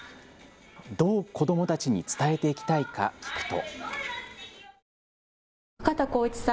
どう子どもたちに伝えていきたいか聞くと。